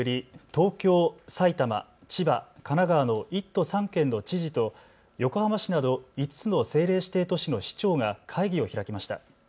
東京、埼玉、千葉、神奈川の１都３県の知事と横浜市など５つの政令指定都市の市長が会議を開きました。